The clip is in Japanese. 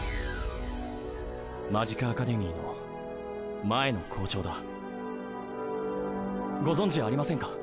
マジカアカデミーの前の校長だご存じありませんか？